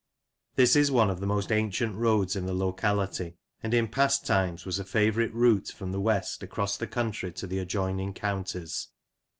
This is one of the most ancient roads in the locality, and in past times was a favourite route from the west across the country to the adjoining counties.